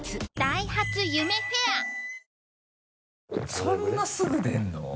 そんなにすぐ出るの？